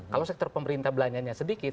kalau sektor pemerintah belanjanya sedikit